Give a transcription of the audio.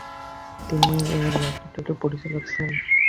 তিনি এই ল্যাবরেটরির পরিচালক ছিলেন।